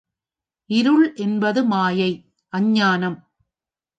இருள் என்பது மாயை, அஞ்ஞானம்.